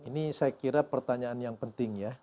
ini saya kira pertanyaan yang penting ya